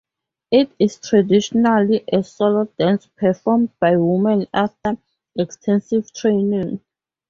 It is traditionally a solo dance performed by women after extensive training.